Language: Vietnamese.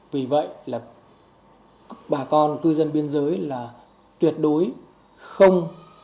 vì vậy là bà con cư dân biên giới là tuyệt đối không